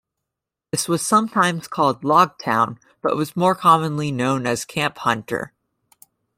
This was sometimes called Log Town, but was more commonly known as Camp Hunter.